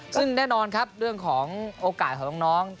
ซึ่งแน่นอนครับเรื่องของโอกาสของน้อง